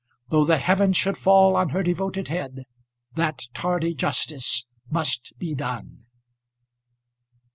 Though the heaven should fall on her devoted head, that tardy justice must be done!